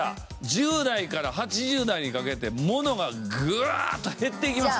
１０代から８０代にかけてものがグワーッと減っていきますから。